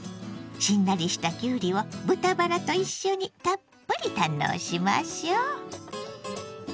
しんなりしたきゅうりを豚バラと一緒にたっぷり堪能しましょう！